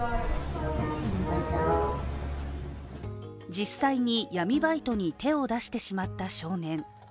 実際に闇バイトに手を出してしまった少年。